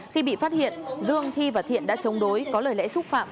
khi bị phát hiện dương thi và thiện đã chống đối có lời lẽ xúc phạm